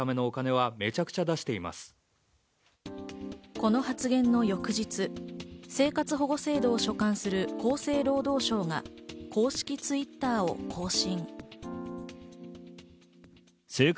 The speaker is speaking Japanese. この発言の翌日、生活保護制度を所管する厚生労働省が公式Ｔｗｉｔｔｅｒを更新。